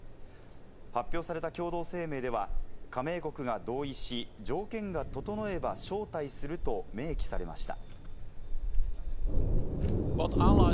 発表された共同声明では、加盟国が同意し、条件が整えば招待すると明記されました。